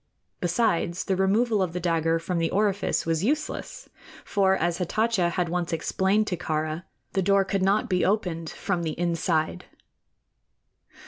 Besides, the removal of the dagger from the orifice was useless; for, as Hatatcha had once explained to Kāra, the door could not be opened from the inside.